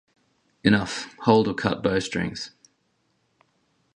Enough; hold or cut bow-strings.